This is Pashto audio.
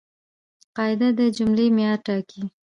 قاعده د جملې معیار ټاکي.